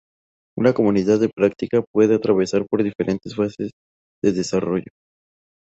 Una comunidad de Práctica puede atravesar por diferentes fases de desarrollo.